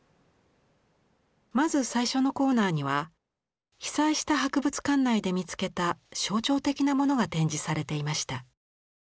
まず最初のコーナーには被災した博物館内で見つけた象徴的なものが展示されていました。